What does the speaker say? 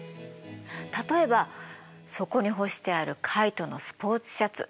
例えばそこに干してあるカイトのスポーツシャツ。